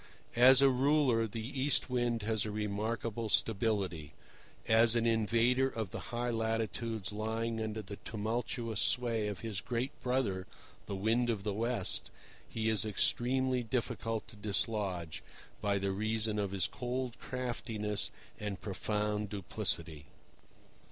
As a ruler, the East Wind has a remarkable stability; as an invader of the high latitudes lying under the tumultuous sway of his great brother, the Wind of the West, he is extremely difficult to dislodge, by the reason of his cold craftiness and profound duplicity.